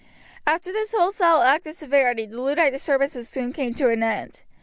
After this wholesale act of severity the Luddite disturbances soon came to an end.